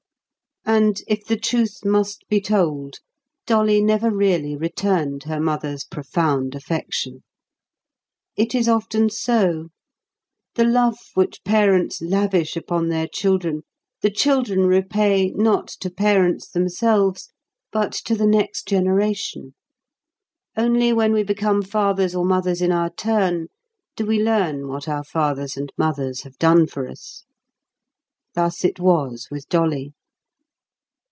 And if the truth must be told, Dolly never really returned her mother's profound affection. It is often so. The love which parents lavish upon their children, the children repay, not to parents themselves, but to the next generation. Only when we become fathers or mothers in our turn do we learn what our fathers and mothers have done for us. Thus it was with Dolly.